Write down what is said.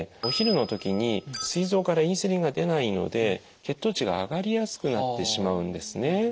お昼の時にすい臓からインスリンが出ないので血糖値が上がりやすくなってしまうんですね。